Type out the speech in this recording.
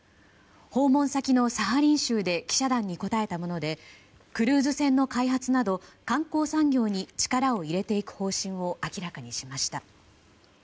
訪問先のサハリン州で記者団に答えたものでクルーズ船の開発など観光産業に力を入れていく方針を明らかにしました。